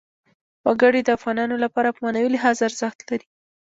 وګړي د افغانانو لپاره په معنوي لحاظ ارزښت لري.